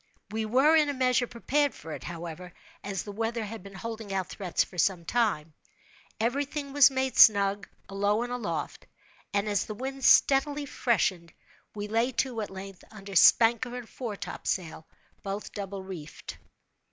We were, in a measure, prepared for it, however, as the weather had been holding out threats for some time. Every thing was made snug, alow and aloft; and as the wind steadily freshened, we lay to, at length, under spanker and foretopsail, both double reefed.